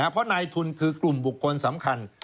เพราะนายทุนคือกลุ่มบุคคลสำคัญ